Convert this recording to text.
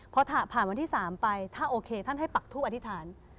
พอผ่านวันที่๓ไปถ้าโอเคท่านให้ปักทู้อธิษฐาน